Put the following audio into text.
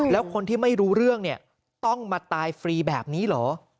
แล้วคนที่ไม่รู้เรื่องเนี่ยต้องมาตายฟรีแบบนี้เหรอ